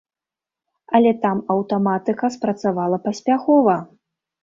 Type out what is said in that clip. Але там аўтаматыка спрацавала паспяхова.